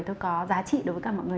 tôi có giá trị đối với cả mọi người